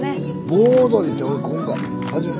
盆踊りって俺今回初めて。